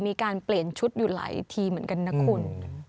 ช่วงไม่เดี๋ยวมีการเปลี่ยนชุดอยู่หลายทีเหมือนกันนะคุณ